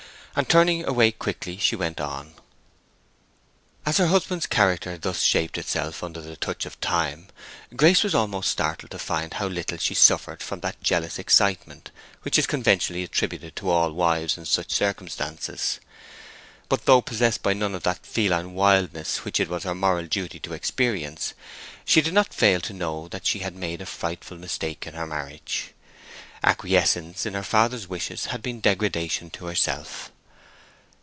And turning away quickly, she went on. As her husband's character thus shaped itself under the touch of time, Grace was almost startled to find how little she suffered from that jealous excitement which is conventionally attributed to all wives in such circumstances. But though possessed by none of that feline wildness which it was her moral duty to experience, she did not fail to know that she had made a frightful mistake in her marriage. Acquiescence in her father's wishes had been degradation to herself.